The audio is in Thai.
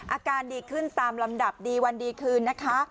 อาการดีขึ้นตามลำดับดีวันดีคืนนะคะ